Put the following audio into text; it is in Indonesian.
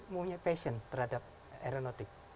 punya passion terhadap aeronautik